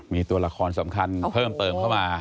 มีตัวละครสำคัญเพิ่มเติมเข้ามา